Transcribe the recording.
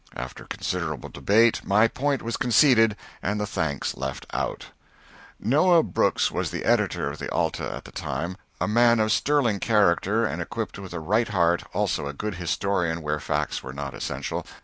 After considerable debate my point was conceded and the thanks left out. [Sidenote: (1902.)] [Sidenote: (1904.)] [Sidenote: (1897.)] Noah Brooks was the editor of the "Alta" at the time, a man of sterling character and equipped with a right heart, also a good historian where facts were not essential.